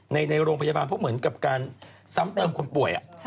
ในโรงพยาบาลเพราะเหมือนกับการซ้ำเติมคนป่วย